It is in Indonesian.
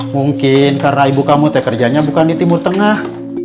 mungkin karena ibu kamu kerjanya bukan di timur tengah